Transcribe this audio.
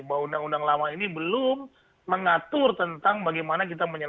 bahwa undang undang lama ini belum mengatur tentang bagaimana kita menyelesaikan